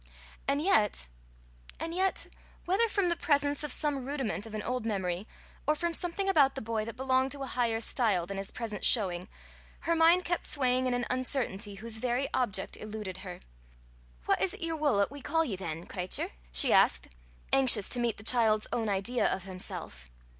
And yet and yet whether from the presence of some rudiment of an old memory, or from something about the boy that belonged to a higher style than his present showing, her mind kept swaying in an uncertainty whose very object eluded her. "What is 't yer wull 'at we ca' ye, than, cratur?" she asked, anxious to meet the child's own idea of himself.